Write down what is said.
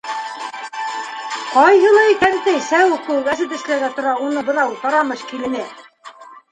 Ҡайһылай кәнтәй сәүек кеүек әсе тешләргә тора уны бынау тарамыш килене!